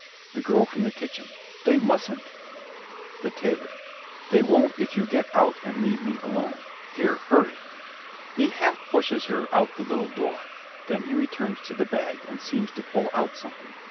THE GIRL FROM THE KITCHEN They mustn't. THE TAILOR They won't if you get out and leave me alone. Here, hurry. (_He half pushes her out the little door. Then he returns to the bag and seems to pull out something.